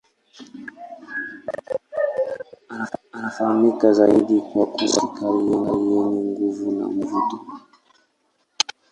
Anafahamika zaidi kwa kuwa sauti kali yenye nguvu na mvuto.